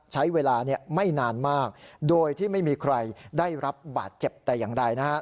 ใช้เวลาไม่นานมากโดยที่ไม่มีใครได้รับบาดเจ็บแต่อย่างใดนะครับ